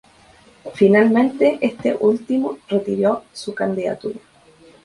Finalmente este último retiró su candidatura.